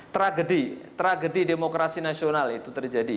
tragedi tragedi demokrasi nasional itu terjadi